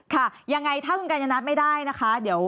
ค่ะยังไงถ้าคุณกัญญนัทไม่ได้นะคะเดี๋ยว